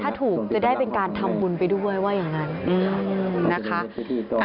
ถ้าถูกจะได้เป็นการทำบุญไปด้วยว่าอย่างนั้นนะคะ